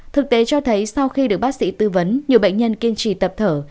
thực tế cho thấy sau khi được bác sĩ tư vấn nhiều bệnh nhân kiên trì tập thở